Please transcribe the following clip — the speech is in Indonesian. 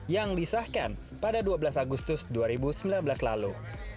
yang disahkan pada dua belas agustus dua ribu sembilan belas lalu